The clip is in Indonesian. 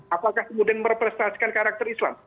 apakah kemudian merepresentasikan karakter islam